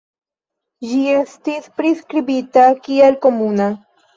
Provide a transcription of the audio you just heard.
Ĝi estis priskribita kiel komuna.